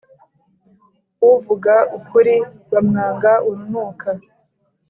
uvuga ukuri bamwanga urunuka.